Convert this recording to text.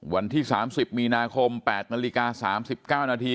วันที่๓๐มีนาคม๘นาฬิกา๓๙นาที